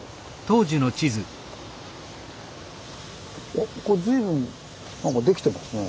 おっこれ随分なんかできてますね。